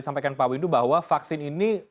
sampaikan pak windu bahwa vaksin ini